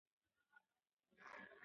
مور د ماشوم د لوبو وخت تنظيموي.